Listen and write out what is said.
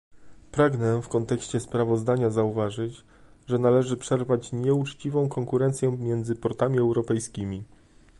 Pragnę w kontekście sprawozdania zauważyć, że należy przerwać nieuczciwą konkurencję między portami europejskimi